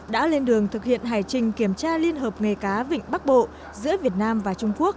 đã lên đường thực hiện hải trình kiểm tra liên hợp nghề cá vịnh bắc bộ giữa việt nam và trung quốc